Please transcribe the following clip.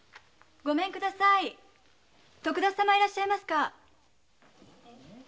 ごめん下さい徳田様いらっしゃいますか？